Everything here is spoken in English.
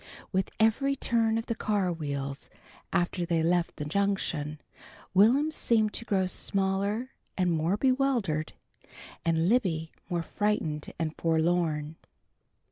With every turn of the car wheels after they left the Junction, Will'm seemed to grow smaller and more bewildered, and Libby more frightened and forlorn.